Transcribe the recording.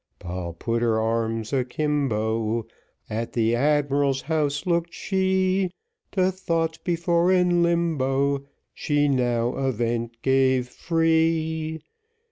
Poll put her arms a kimbo, At the admiral's house looked she, To thoughts before in limbo, She now a vent gave free.